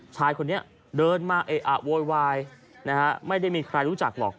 ชายคนนี้เดินมาเอะอะโวยวายนะฮะไม่ได้มีใครรู้จักหรอก